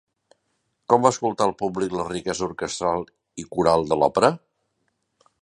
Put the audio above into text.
Com va escoltar el públic la riquesa orquestral i coral de l'òpera?